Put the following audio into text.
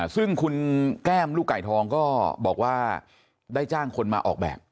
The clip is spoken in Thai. ซึ่งคุณแก้มลูกไก่ทองก็บอกว่าได้จ้างคนมาออกแบบ